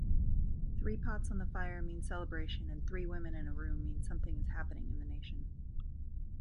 Three pots on the fire mean celebration, and three women in a room mean something is happening in the nation.